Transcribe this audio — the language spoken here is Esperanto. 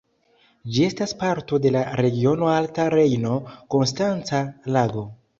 Ĝi estas parto de la regiono Alta Rejno-Konstanca Lago.